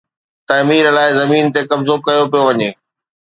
تعمير لاءِ زمين تي قبضو ڪيو پيو وڃي.